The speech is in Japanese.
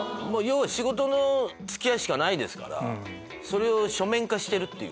仕事の付き合いしかないですからそれを書面化してるっていう。